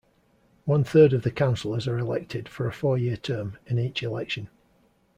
One third of the councillors are elected, for a four-year term, in each election.